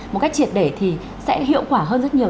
một cách triệt để thì sẽ hiệu quả hơn rất nhiều